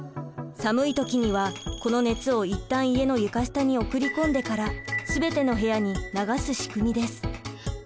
寒い時にはこの熱を一旦家の床下に送り込んでから全ての部屋に流す仕組みです。